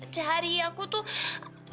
dari aku tuh